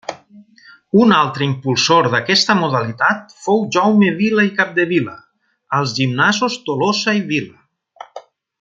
Un altre impulsor d'aquesta modalitat fou Jaume Vila i Capdevila, als gimnasos Tolosa i Vila.